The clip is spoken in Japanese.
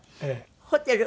ホテル？